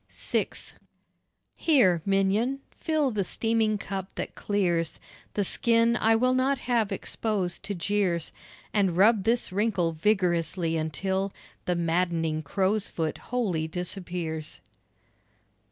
VI Here, minion, fill the steaming cup that clears The skin I will not have exposed to jeers, And rub this wrinkle vigorously until The maddening crow's foot wholly disappears.